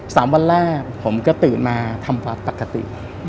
สามวันแรกผมก็ตื่นมาทำฟาร์ปกติ